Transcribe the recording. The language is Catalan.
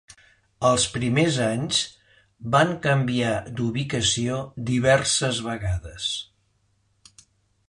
Els primers anys van canviar d'ubicació diverses vegades.